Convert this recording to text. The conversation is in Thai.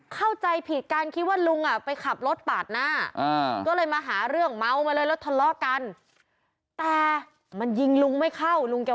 เข้าใจผิดการคิดว่าลุงไปขับรถปาดหน้า